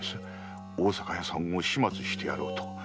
大阪屋さんを始末してやろうと。